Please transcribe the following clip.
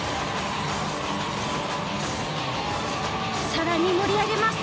更に盛り上げます。